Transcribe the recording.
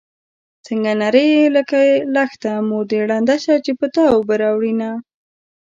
څنګه نرۍ يې لکه لښته مور دې ړنده شه چې په تا اوبه راوړينه